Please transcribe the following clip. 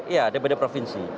iya dpd provinsi